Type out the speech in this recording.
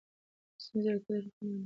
مصنوعي ځیرکتیا حرکتونه نرموي.